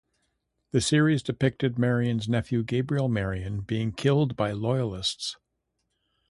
The series depicted Marion's nephew Gabriel Marion being killed by Loyalists.